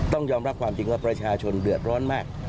ต้องยอมรับความจริงว่าประชาชนเดือดร้อนมาก